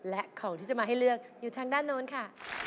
และของที่จะมาให้เลือกอยู่ทางด้านโน้นค่ะ